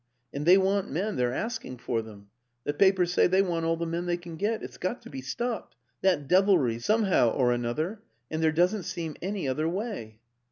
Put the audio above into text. And they want men they're asking for them. The papers say they want all the men they can get ... it's got to be stopped that devilry somehow or another ... and there doesn't seem any other way.